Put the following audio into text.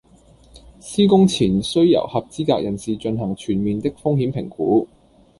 施工前須由合資格人士進行全面的風險評估